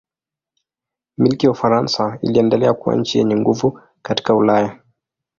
Milki ya Ufaransa iliendelea kuwa nchi yenye nguvu katika Ulaya.